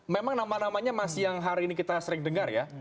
memang nama namanya masih yang hari ini kita sering dengar ya